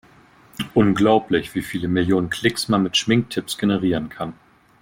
Unglaublich, wie viele Millionen Klicks man mit Schminktipps generieren kann!